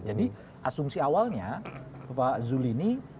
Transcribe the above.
jadi asumsi awalnya pak zul ini